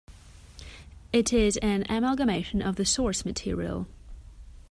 It is an amalgamation of the source material.